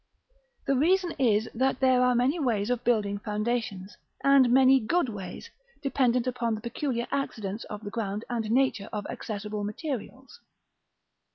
The reason is, that there are many ways of building foundations, and many good ways, dependent upon the peculiar accidents of the ground and nature of accessible materials.